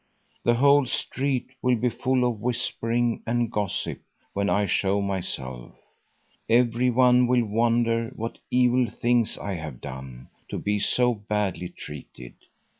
The whole street will be full of whispering and gossip when I show myself. Every one will wonder what evil thing I have done, to be so badly treated.